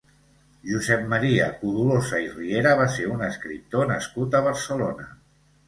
Josep Maria Codolosa i Riera va ser un escriptor nascut a Barcelona.